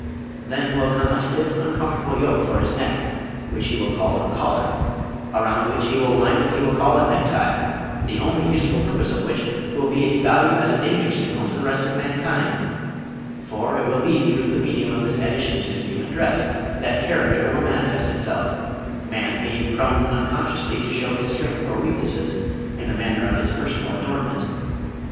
Then will come a stiff uncomfortable yoke for his neck, which he will call a collar, around which he will wind what he will call a necktie, the only useful purpose of which will be its value as a danger signal to the rest of mankind, for it will be through the medium of this addition to the human dress that character will manifest itself, man being prone unconsciously to show his strength or weaknesses in the manner of his personal adornment.